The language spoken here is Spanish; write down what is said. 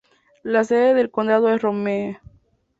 La sede del condado es Rome.